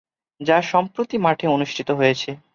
যা সম্প্রতি মাঠে অনুষ্ঠিত হয়েছে।